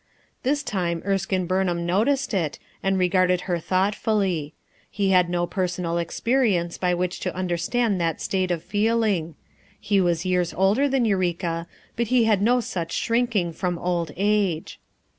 This time Erskine Burnham noticed it and regarded her thoughtfully; he had no personal experience by which to understand that state of feeling; he was years older than Eureka, but he had no such shrinking from old age.